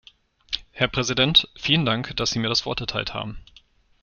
Herr Präsident! Vielen Dank, dass Sie mir das Wort erteilt haben.